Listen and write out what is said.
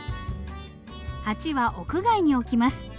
鉢は屋外に置きます。